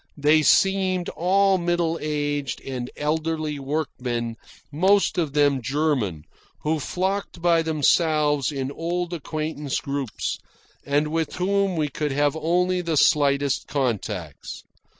They seemed all middle aged and elderly work men, most of them Germans, who flocked by themselves in old acquaintance groups, and with whom we could have only the slightest contacts.